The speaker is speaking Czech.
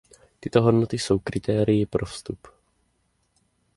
Tyto hodnoty jsou kritérii pro vstup.